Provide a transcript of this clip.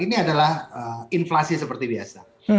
ini adalah inflasi seperti biasa